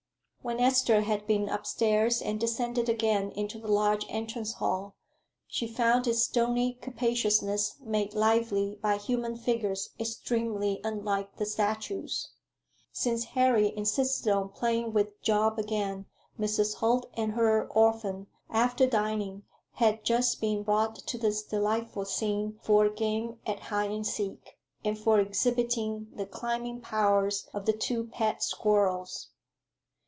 When Esther had been up stairs and descended again into the large entrance hall, she found its stony capaciousness made lively by human figures extremely unlike the statues. Since Harry insisted on playing with Job again, Mrs. Holt and her orphan, after dining, had just been brought to this delightful scene for a game at hide and seek, and for exhibiting the climbing powers of the two pet squirrels.